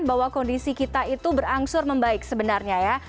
bahwa kondisi kita itu berangsur membaik sebenarnya ya